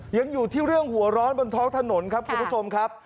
ยังอยู่ที่เรื่องหัวร้อนบนท้องถนนครับคุณผู้ชมครับ